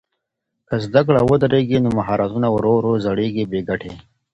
که زده کړه ودرېږي نو مهارتونه ورو ورو زړېږي بې ګټې.